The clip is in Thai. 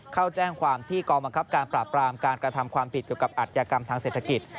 เข้าแจ้งความที่กองบังคับการปราบรามการกระทำความผิดเกี่ยวกับอัธยากรรมทางเศรษฐกิจ